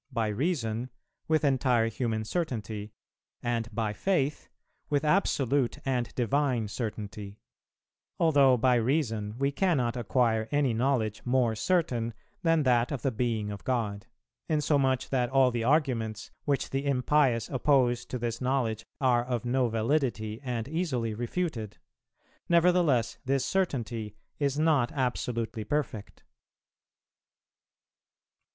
By Reason, with entire human certainty; and by Faith, with absolute and divine certainty. Although by Reason we cannot acquire any knowledge more certain than that of the Being of God; insomuch that all the arguments, which the impious oppose to this knowledge are of no validity and easily refuted; nevertheless this certainty is not absolutely perfect[333:2] ..